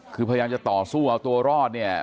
คือพยายามจะต่อสู้เอาตัวรอดเนี่ย